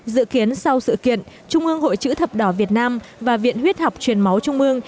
dự kiến sau sự kiện trung ương hội chữ thập đỏ việt nam và viện huyết học truyền máu trung ương